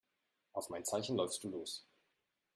Auf mein Zeichen läufst du los.